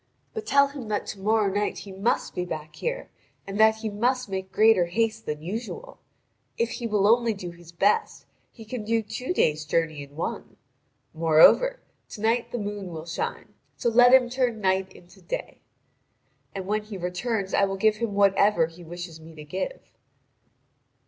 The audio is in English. But tell him that to morrow night he must be back here, and that he must make greater haste than usual. If he will only do his best, he can do two days' journey in one. Moreover, to night the moon will shine; so let him turn night into day. And when he returns I will give him whatever he wishes me to give."